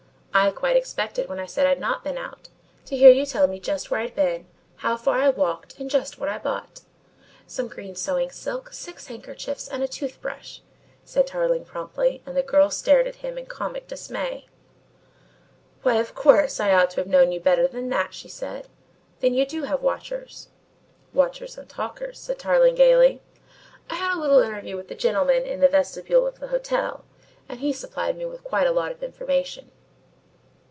"I quite expected when I said I'd not been out, to hear you tell me just where I'd been, how far I walked and just what I bought." "Some green sewing silk, six handkerchiefs, and a tooth brush," said Tarling promptly and the girl stared at him in comic dismay. "Why, of course, I ought to have known you better than that," she said. "Then you do have watchers?" "Watchers and talkers," said Tarling gaily. "I had a little interview with the gentleman in the vestibule of the hotel and he supplied me with quite a lot of information.